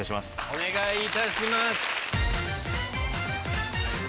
お願いいたします。